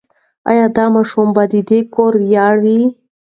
ایا دا ماشوم به د دې کور ویاړ وي؟